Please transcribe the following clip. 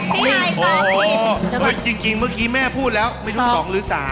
นี่ไงจริงเมื่อกี้แม่พูดแล้วไม่รู้๒หรือ๓